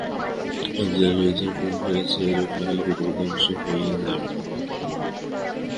আজ ইহার প্রয়োজন হইয়াছে, এরূপ না হইলে পৃথিবী ধ্বংস হইয়া যাইবে।